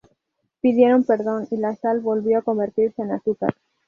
Pidieron perdón y la sal volvió a convertirse en azúcar.